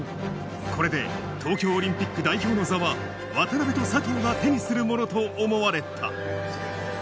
これで東京オリンピック代表の座は渡辺と佐藤が手にするものと思われた。